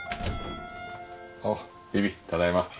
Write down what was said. あっビビただいま。